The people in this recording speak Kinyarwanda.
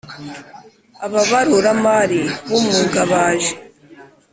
Ababaruramari b Umwuga baje